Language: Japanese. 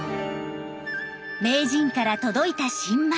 名人から届いた新米。